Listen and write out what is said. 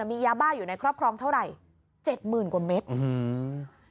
มียาบ้าอยู่ในครอบครองเท่าไหร่๗๐๐๐๐กว่าเมตร